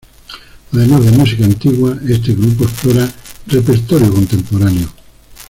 Además de música antigua, este grupo explora repertorio contemporáneo.